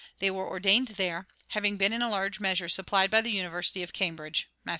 They were ordained there, having been in a large measure supplied by the University of Cambridge [Mass.